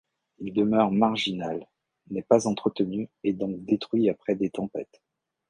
Il demeure marginal, n'est pas entretenu et donc détruit après des tempêtes.